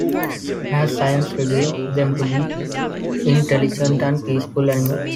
As science revealed them to be intelligent and peaceful animals.